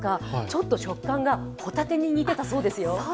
ちょっと食感がホタテに似ていたそうですよ。